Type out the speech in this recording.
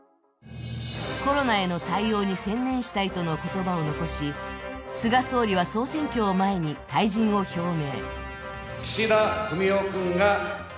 コロナへの対応に専念したいとの言葉を残し菅総理は総選挙を前に退陣を表明。